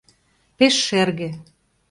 — Пеш шерге.